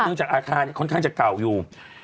เนื่องจากอาคารเนี่ยค่อนข้างจะเก่าอยู่